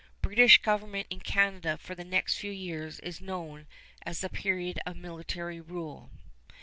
British government in Canada for the next few years is known as the period of military rule.